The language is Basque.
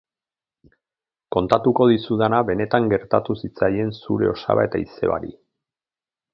Kontatuko dizudana benetan gertatu zitzaien zure osaba eta izebari.